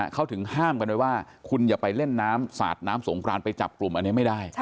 เขาถึงห้ามกันไว้ว่าคุณอย่าไปเล่นน้ำสาดน้ำสงครานไปจับกลุ่มอันนี้ไม่ได้